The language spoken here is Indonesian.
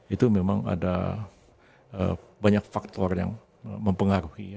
itu memang ada banyak faktor yang mempengaruhi ya